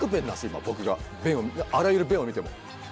今僕があらゆる便を見ても。